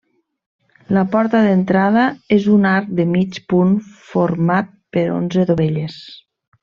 La porta d'entrada és un arc de mig punt format per onze dovelles.